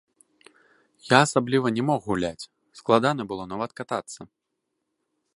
Я асабліва не мог гуляць, складана было нават катацца.